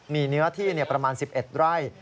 มีเนื้อที่ประมาณ๑๑ไร่